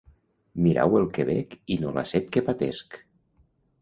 Mirau el que bec i no la set que patesc.